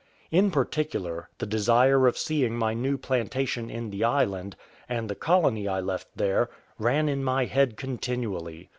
In particular, the desire of seeing my new plantation in the island, and the colony I left there, ran in my head continually.